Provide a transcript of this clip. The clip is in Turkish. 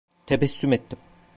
Tebessüm ettim.